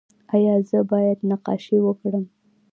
ایا زه باید نقاشي وکړم؟